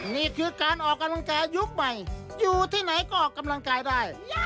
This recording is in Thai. นี่คือการออกกำลังกายยุคใหม่อยู่ที่ไหนก็ออกกำลังกายได้